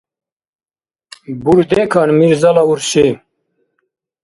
Бурдекан Мирзала урши